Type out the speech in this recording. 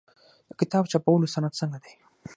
د کتاب چاپولو صنعت څنګه دی؟